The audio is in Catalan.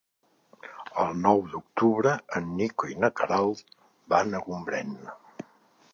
El nou d'octubre en Nico i na Queralt van a Gombrèn.